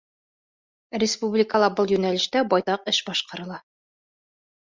Республикала был йүнәлештә байтаҡ эш башҡарыла.